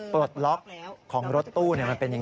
เพื่อนก็รออยู่ด้านนอก